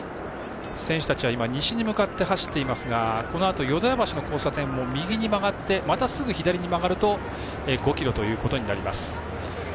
選手たちは西に向かって走っていますが淀屋橋の交差点を右に曲がってまたすぐ左に曲がると５ｋｍということになります。